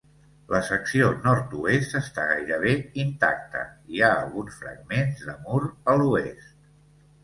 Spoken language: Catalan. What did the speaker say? La secció nord-oest està gairebé intacta i hi ha alguns fragments de mur a l'oest.